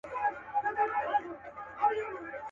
هم د لاس هم يې د سترگي نعمت هېر وو.